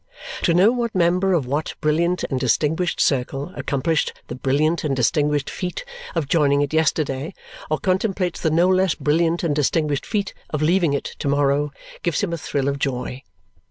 To know what member of what brilliant and distinguished circle accomplished the brilliant and distinguished feat of joining it yesterday or contemplates the no less brilliant and distinguished feat of leaving it to morrow gives him a thrill of joy.